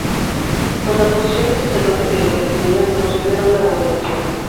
Con la oposición del sacerdote, que le recrimina lo que considera una abominación.